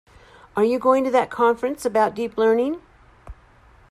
Are you going to that conference about Deep Learning?